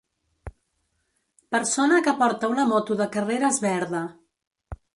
Persona que porta una moto de carreres verda.